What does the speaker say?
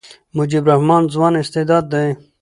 مجيب الرحمن ځوان استعداد دئ.